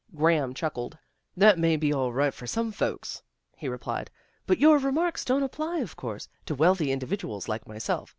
" Graham chuckled. " That may be all right for some folks," he replied. " But your remarks don't apply, of course, to wealthy individuals like myself.